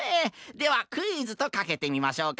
ではクイズとかけてみましょうか。